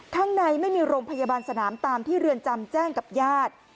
ข้างในไม่มีโรงพยาบาลสนามตามที่เรือนจำแจ้งกับญาติ